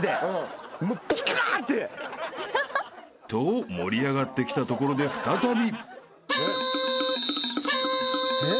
［と盛り上がってきたところで再び］